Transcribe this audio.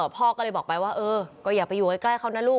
พ่อก็เลยบอกไปว่าเออก็อย่าไปอยู่ใกล้เขานะลูก